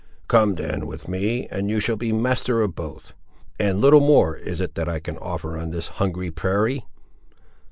"Come then with me, and you shall be master of both; and little more is it that I can offer on this hungry prairie."